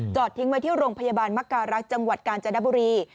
ทิ้งไว้ที่โรงพยาบาลมการรักษ์จังหวัดกาญจนบุรี